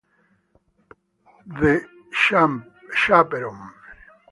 The Chaperon